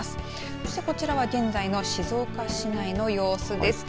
そしてこちらは現在の静岡市内の様子です。